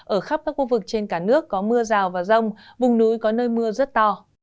ở khắp các khu vực trên cả nước có mưa rào và rông vùng núi có nơi mưa rất to